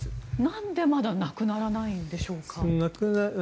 なんでまだなくならないのでしょうか。